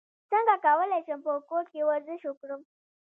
څنګه کولی شم په کور کې ورزش وکړم